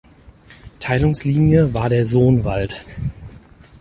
Teilungslinie war der Soonwald.